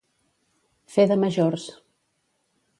Fer de majors.